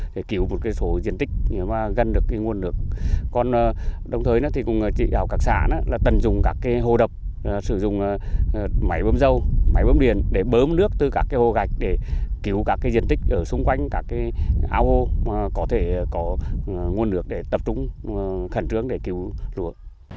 đồng thời thì cũng chỉ đào các xã tận dùng các cái hồ đập sử dụng máy bơm dâu máy bơm điền để bơm nước từ các cái hồ gạch để cứu các cái diện tích ở xung quanh các cái áo hô có thể có nguồn lực để tập trung khẩn trướng để cứu lúa